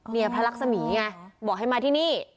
เนี่ยพระรักษมีไงบอกให้มาที่นี่